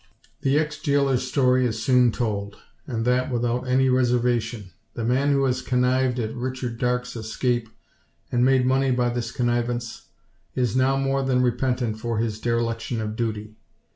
The ex jailor's story is soon told, and that without any reservation. The man who has connived at Richard Darke's escape, and made money by the connivance, is now more than repentant for his dereliction of duty.